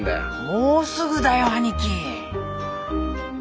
もうすぐだよ兄貴。